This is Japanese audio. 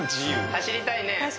走りたいね。